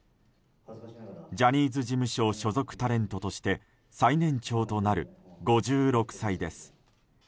ジャニーズ事務所所属タレントとして最年長となる５６歳です。